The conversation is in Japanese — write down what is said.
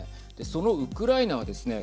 そのウクライナはですね